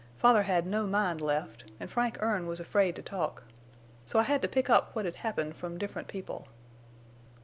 Father had no mind left, an' Frank Erne was afraid to talk. So I had to pick up what'd happened from different people.